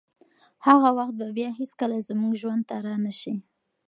هغه وخت به بیا هیڅکله زموږ ژوند ته رانشي.